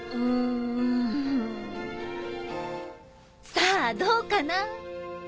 さぁどうかな。